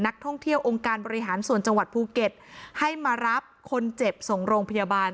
นักท่องเที่ยวองค์การบริหารส่วนจังหวัดภูเก็ตให้มารับคนเจ็บส่งโรงพยาบาล